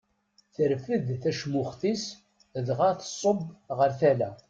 Terfed tacmuxt-is dɣa tṣubb ɣer tala.